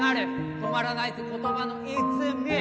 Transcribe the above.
止まらないぜ言葉の泉